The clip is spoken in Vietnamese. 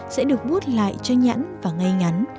sẽ được bút lại cho nhẵn và ngay ngắn